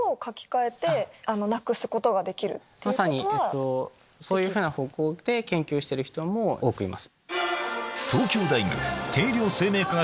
まさにそういう方向で研究してる人も多くいます。